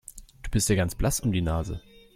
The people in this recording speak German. Du bist ja ganz blass um die Nase.